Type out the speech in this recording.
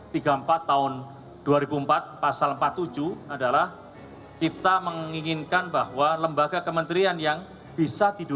yang ketiga tahun dua ribu empat pasal empat puluh tujuh adalah kita menginginkan bahwa lembaga kementerian yang bisa diduduk